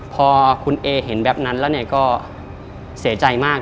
พอคุณเอเห็นแบบนั้นแล้วก็เสียใจมาก